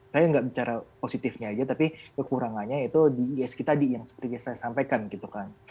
saya nggak bicara positifnya aja tapi kekurangannya itu di isg tadi yang seperti yang saya sampaikan gitu kan